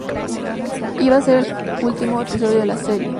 Iba a ser el último episodio de la serie.